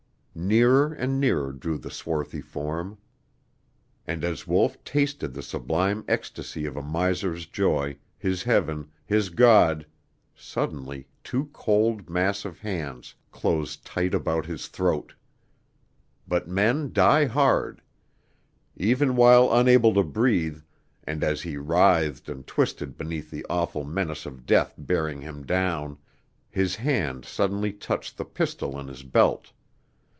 Nearer and nearer drew the swarthy form! And as Wolf tasted the sublime ecstasy of a miser's joy, his heaven, his God, suddenly two cold, massive hands closed tight about his throat. But men die hard! Even while unable to breathe, and as he writhed and twisted beneath the awful menace of death bearing him down, his hand suddenly touched the pistol in his belt!